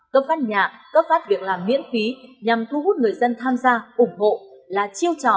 cấp phát nhạc cấp phát việc làm miễn phí nhằm thu hút người dân tham gia ủng hộ